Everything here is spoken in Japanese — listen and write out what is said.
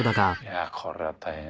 いやこれは大変。